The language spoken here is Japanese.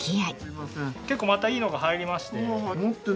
結構またいいのが入りまして。